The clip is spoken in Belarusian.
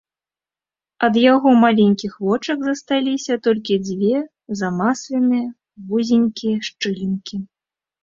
Ад яго маленькіх вочак засталіся толькі дзве замасленыя вузенькія шчылінкі.